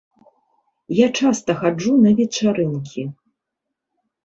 Я часта хаджу на вечарынкі.